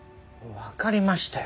わかりましたよ。